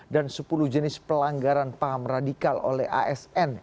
dan sepuluh jenis pelanggaran paham radikal oleh asn